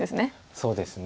そうですね。